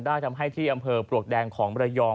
ทำให้ที่อำเภอปลวกแดงของมรยอง